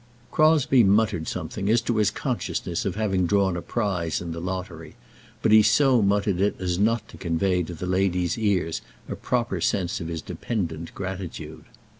Crosbie muttered something as to his consciousness of having drawn a prize in the lottery; but he so muttered it as not to convey to the lady's ears a proper sense of his dependent gratitude.